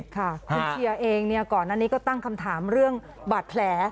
คุณเชียร์เองก่อนอันนี้ก็ตั้งคำถามเรื่องบาดแผล